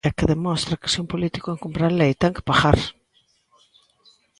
E que demostra que, se un político incumpre a lei, ten que pagar.